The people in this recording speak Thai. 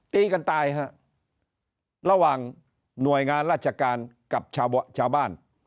ตีกันตายฮะระหว่างหน่วยงานราชการกับชาวบ้าน